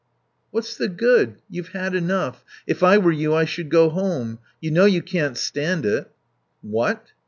"What's the good? You've had enough. If I were you I should go home. You know you can't stand it." "What?